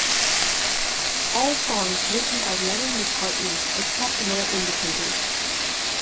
All songs written by Lennon-McCartney, except where indicated.